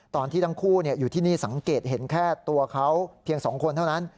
ตอนที่ทั้งคู่อยู่ที่นี่สังเกตเห็นแค่ตัวเขาเพียง๒คนเท่านั้น